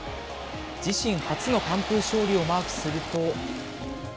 自身初の完封勝利をマークすると。